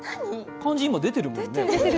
漢字、今、出てるもんね。